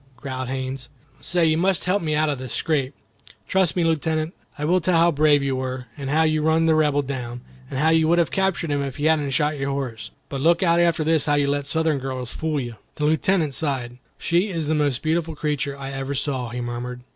growled Haines. "Say, you must help me out of this scrape." "Trust me, Lieutenant; I will tell how brave you were, and how you run the Rebel down, and how you would have captured him if he hadn't shot your horse. But look out after this how you let Southern girls fool you." The Lieutenant sighed. "She is the most beautiful creature I ever saw," he murmured.